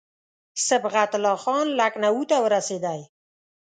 صبغت الله خان لکنهو ته ورسېدی.